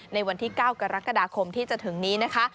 ในวันที่๙กรกฎาคมที่จะถึงนี้นะคะ